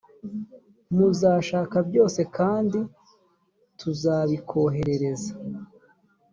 muzashaka byose kandi tuzabikoherereza